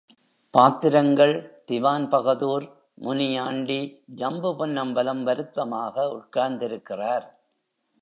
பாத்திரங்கள் திவான்பகதூர், முனியாண்டி, ஜம்பு பொன்னம்பலம் வருத்தமாக உட்கார்ந்திருக்கிறார்.